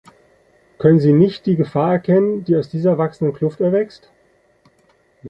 Können Sie nicht die Gefahr erkennen, die aus dieser wachsenden Kluft erwächst?